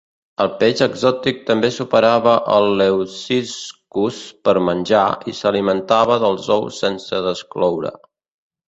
El peix exòtic també superava el leuciscus per menjar i s'alimentava dels ous sense descloure.